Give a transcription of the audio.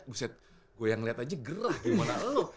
buset gue yang ngelihat aja gerah gimana lo